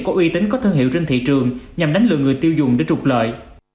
có uy tín có thương hiệu trên thị trường nhằm đánh lừa người tiêu dùng để trục lợi